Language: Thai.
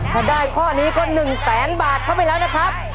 พอได้ข้อนี้ก็๑แสนบาทเข้าไปแล้วนะครับ